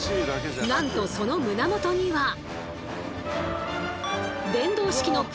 なんとその胸元には。